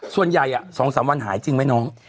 ส่วนใหญ่๒๓วันหายจริงไหมน้อง